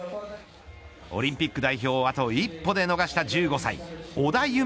オリンピック代表をあと一歩で逃した１５歳織田夢